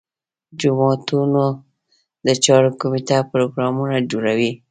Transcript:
جوماتونو د چارو کمیټه پروګرامونه جوړوي.